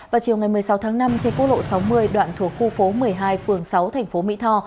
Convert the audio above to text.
vào chiều ngày một mươi sáu tháng năm trên quốc lộ sáu mươi đoạn thuộc khu phố một mươi hai phường sáu thành phố mỹ tho